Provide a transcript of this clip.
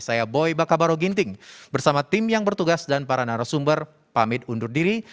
saya boy bakabaro ginting bersama tim yang bertugas dan para narasumber pamit undur diri